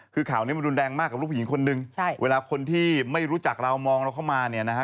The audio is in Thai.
คือข่าวนี้มันรุนแรงมากกับลูกผู้หญิงคนนึงใช่เวลาคนที่ไม่รู้จักเรามองเราเข้ามาเนี่ยนะฮะ